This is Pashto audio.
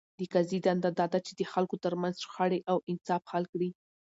د قاضي دنده ده، چي د خلکو ترمنځ شخړي په انصاف حل کړي.